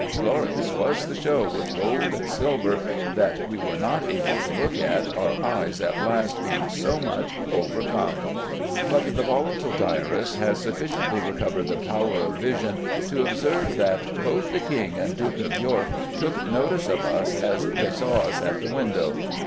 Glorious was the show with gold and silver, that we were not able to look at it, our eyes at last being so much overcome," but the volatile diarist has sufficiently recovered the power of vision to observe that "both the King and Duke of York took notice of us as they saw us at the window."